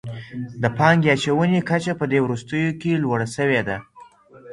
د پانګې اچونې کچه په دې وروستيو کي لوړه سوي ده.